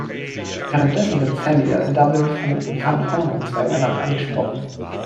Während dessen wird Celia in Dublin von Van Horn und zwei Männern angesprochen.